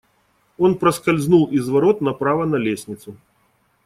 Он проскользнул из ворот направо на лестницу.